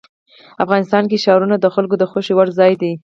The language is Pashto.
افغانستان کې ښارونه د خلکو د خوښې وړ ځای دی.